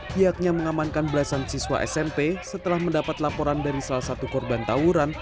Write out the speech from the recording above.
pihaknya mengamankan belasan siswa smp setelah mendapat laporan dari salah satu korban tawuran